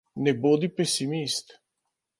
Ne bodi pesimist!